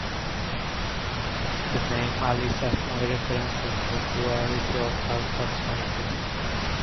The name "Alice et Moi" references the duality of her personality.